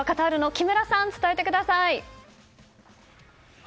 カタールの木村さん伝えてください。